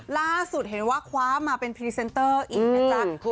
ล่าสุดเห็นว่าคว้ามาเป็นพรีเซนเตอร์อีกนะจ๊ะ